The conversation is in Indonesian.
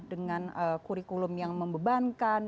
dengan kurikulum yang membebankan